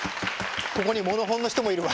ここにモノホンの人もいるわ。